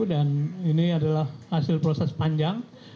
dan ini adalah hasil proses panjang